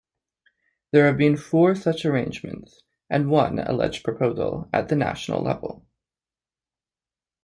There have been four such arrangements, and one alleged proposal, at the national level.